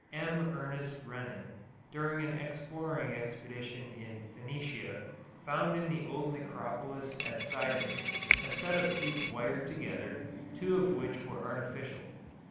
M. Ernest Renan, during an exploring expedition in Phenicia, found in the old necropolis at Sidon a set of teeth wired together, two of which were artificial.